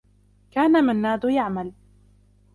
كان منّاد يعمل.